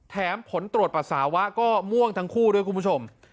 ผลตรวจปัสสาวะก็ม่วงทั้งคู่ด้วยคุณผู้ชม